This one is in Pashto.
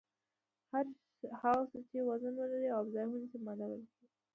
هر هغه څه چې وزن ولري او ځای ونیسي ماده بلل کیږي.